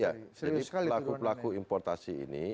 jadi pelaku pelaku importasi ini